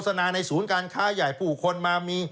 สนาในศูนย์การค้าใหญ่ผู้คนมามี